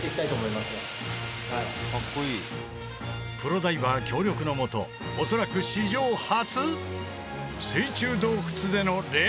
プロダイバー協力のもと恐らく史上初！？